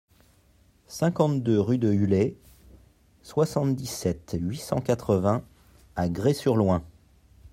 cinquante-deux rue de Hulay, soixante-dix-sept, huit cent quatre-vingts à Grez-sur-Loing